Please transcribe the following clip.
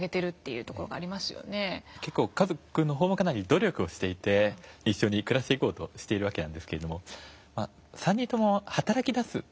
結構家族の方もかなり努力をしていて一緒に暮らしていこうとしているんですけれども３人とも働きだすという事が。